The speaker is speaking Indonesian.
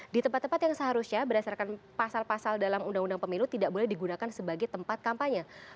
di tempat tempat yang seharusnya berdasarkan pasal pasal dalam undang undang pemilu tidak boleh digunakan sebagai tempat kampanye